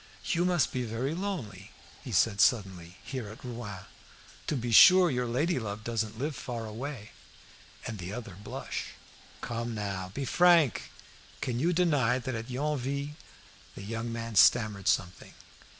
"You must be very lonely," he said suddenly, "here at Rouen. To be sure your lady love doesn't live far away." And the other blushed "Come now, be frank. Can you deny that at Yonville " The young man stammered something.